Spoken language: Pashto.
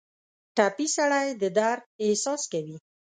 ټپي سړی د درد احساس کوي.